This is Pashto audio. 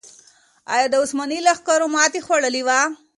آیا د عثماني لښکرو ماتې خوړلې وه؟